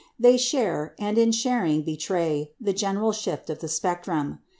They share, and in sharing betray, the general shift of the spectrum.